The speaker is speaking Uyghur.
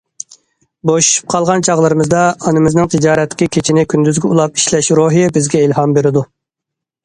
بوشىشىپ قالغان چاغلىرىمىزدا ئانىمىزنىڭ تىجارەتتىكى كېچىنى كۈندۈزگە ئۇلاپ ئىشلەش روھى بىزگە ئىلھام بېرىدۇ.